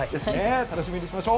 楽しんでいきましょう。